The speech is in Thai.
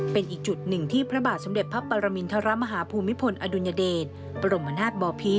เป็นอีกจุดหนึ่งที่พระบาทสมเด็จพระปรมินทรมาฮาภูมิพลอดุลยเดชบรมนาศบอพิษ